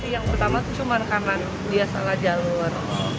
yang pertama itu cuma karena dia salah jalur